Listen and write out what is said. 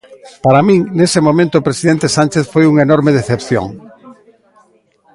Para min nese momento o presidente Sanchez foi unha enorme decepción.